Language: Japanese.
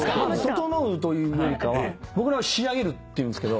「ととのう」というよりかは僕らは「仕上げる」っていうんですけど。